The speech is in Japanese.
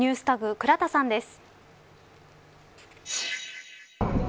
ＮｅｗｓＴａｇ、倉田さんです。